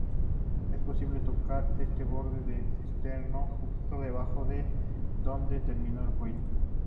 Es posible tocar este borde del esternón justo debajo de donde termina el cuello.